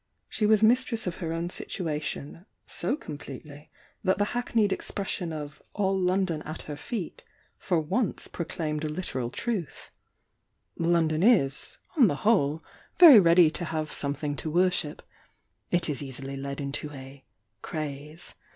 She was mistress of her own situa tion, so completely that the hackneyed expression of "all London at her feet" for once proclaimed a literal 347 848 THE YOUNG DIANA truth. London is, on the whole, very ready to have something to worship, — it is easily led into a "craze."